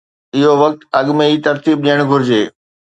اهو وقت اڳ ۾ ئي ترتيب ڏيڻ گهرجي.